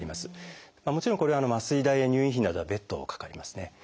もちろんこれ麻酔代や入院費などは別途かかりますね。